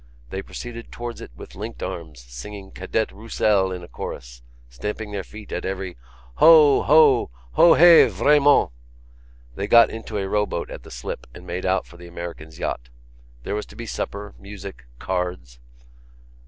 They proceeded towards it with linked arms, singing Cadet Roussel in chorus, stamping their feet at every: "Ho! Ho! Hohé, vraiment!" They got into a rowboat at the slip and made out for the American's yacht. There was to be supper, music, cards.